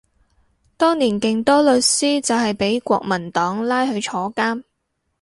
當年勁多律師就係畀國民黨拉去坐監